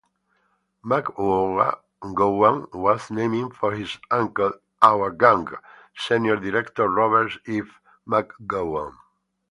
McGowan was named for his uncle, "Our Gang" senior director Robert F. McGowan.